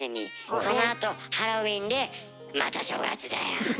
そのあとハロウィーンでまた正月だよ。